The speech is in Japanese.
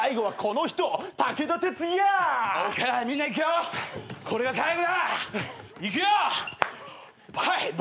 はい